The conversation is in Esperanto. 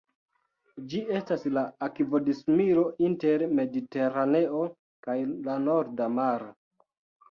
Ĝi estas la akvodislimo inter Mediteraneo kaj la Norda Maro.